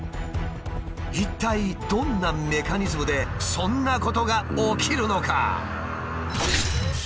一体どんなメカニズムでそんなことが起きるのか？